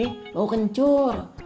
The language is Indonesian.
eh mau kencur